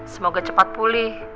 semoga cepat pulih